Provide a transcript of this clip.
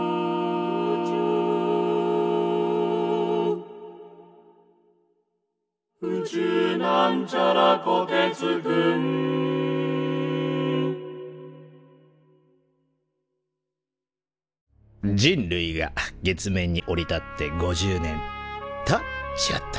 「宇宙」人類が月面に降り立って５０年！とちょっと。